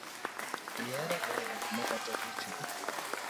Ihero goyo gik moko te picha